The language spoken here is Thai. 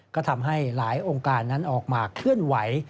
ก็ทำให้หลายองค์การนั้นออกมาเคลื่อนไหว